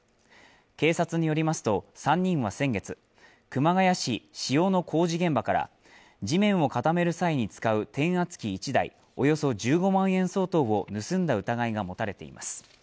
警察によりますと、３人は先月、熊谷市塩の工事現場から地面を固める際に使う転圧機１台およそ１５万円相当を盗んだ疑いが持たれています。